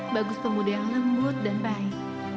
bagus pemuda yang lembut dan baik